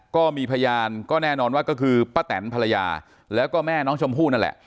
ก็มีพยานก็แน่นอนว่าก็คือป้าแตนภรรยาแล้วก็แม่น้องชมพู่นั่นแหละ